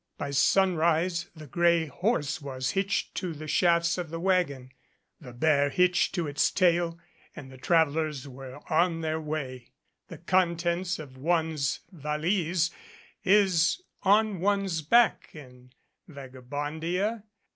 By sunrise the gray horse was hitched to the shafts of the wagon, the bear hitched to its tail and the travelers were on their way the contents of one's valise is on one's back in Vagabondia.